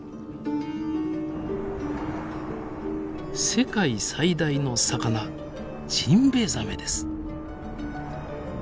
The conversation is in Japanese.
世界最大の魚ジンベエザメです！